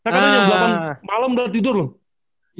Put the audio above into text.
karena jam delapan malam udah tidur loh